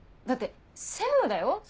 だって専務だよ？